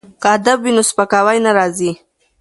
که ادب وي نو سپکاوی نه راځي.